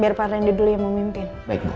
biar pak rendy dulu yang mau mimpin